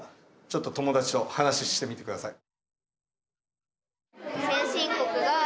ちょっと友達と話してみて下さい。